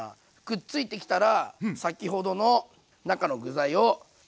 くっついてきたら先ほどの中の具材をのっけていきます。